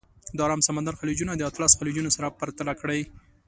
د ارام سمندر خلیجونه د اطلس خلیجونه سره پرتله کړئ.